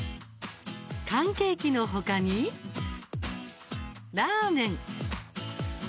缶ケーキのほかにラーメン。